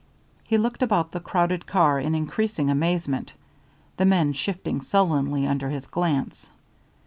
He looked about the crowded car in increasing amazement, the men shifting sullenly under his glance.